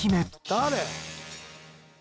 「誰？」